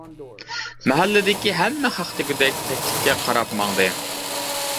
مەھەللىدىكى ھەممە خەق دېگۈدەك تەكلىككە قاراپ ماڭدى.